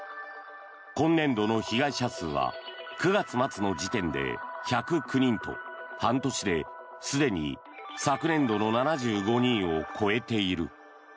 今年度の被害者数は９月末の時点で１０９人と半年で、すでに昨年度の７５人を超えている。